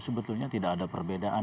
sebetulnya tidak ada perbedaan